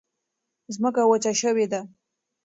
ځمکه وچه شوې ده.